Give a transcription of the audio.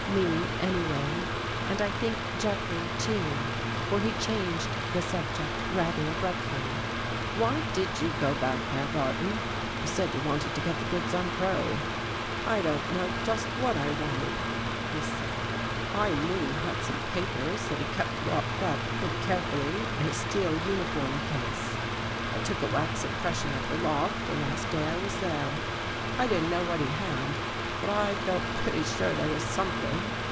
Me, anyway, and I think Jeff rey, too, for he changed the subject rather abruptly. "Why did you go back there. Barton? You said you wanted to get the goods on Crow." " I don't know just what I wanted," he said. " I knew he had some papers that he kept locked up pretty carefully in a steel uniform case. I took a 263 THE GHOST GIRL wax impression of the lock the last day I was there. I didn't know what he had, but I felt pretty sure there was something.